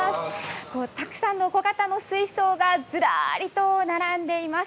たくさんの小型の水槽がずらりと並んでいます。